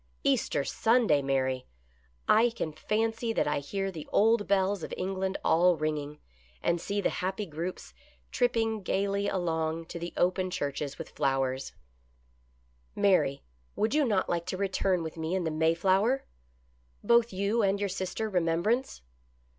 " Easter Sunday, Mary ! I can fancy that I hear the old bells of England all ringing, and see the happy groups tripping gaily along to the open churches with flowers. io8 THE pilgrims' EASTER LILY. Mary, would you not like to return with me in the May flower? Both you and your sister Remembrance?"